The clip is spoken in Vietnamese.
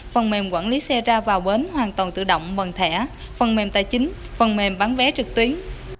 phần mềm quản lý xe ra vào bến hoàn toàn tự động bằng thẻ phần mềm tài chính phần mềm bán vé trực tuyến